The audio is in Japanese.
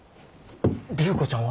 隆子ちゃんは？